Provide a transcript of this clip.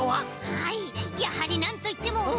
はいやはりなんといってもバッ！